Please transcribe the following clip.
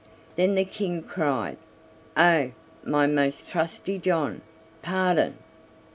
Then the King cried: "Oh! my most trusty John, pardon!